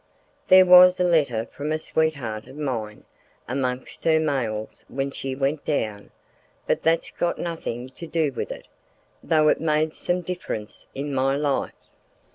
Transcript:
There was a letter from a sweetheart of mine amongst her mails when she went down; but that's got nothing to do with it, though it made some difference in my life.